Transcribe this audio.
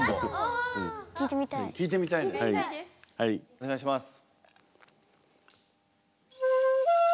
お願いします。